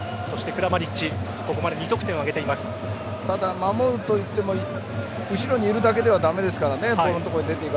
守るといっても後ろにいるだけでは駄目ですからね。